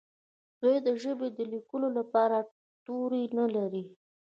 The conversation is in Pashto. دوی د ژبې د لیکلو لپاره توري نه لري.